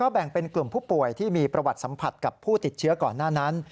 แบ่งเป็นกลุ่มผู้ป่วยที่มีประวัติสัมผัสกับผู้ติดเชื้อก่อนหน้านั้น